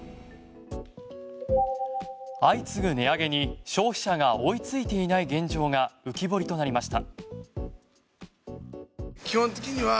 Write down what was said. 相次ぐ値上げに消費者が追いついていない現状が浮き彫りとなりました。